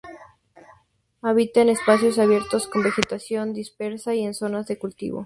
Habita en espacios abiertos con vegetación dispersa, y en zonas de cultivo.